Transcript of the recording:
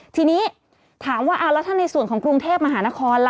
ทีนี้ถามว่าเอาแล้วถ้าในส่วนของกรุงเทพมหานครล่ะ